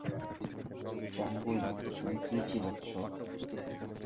চাংগুই, তুমি কী চিবাচ্ছ?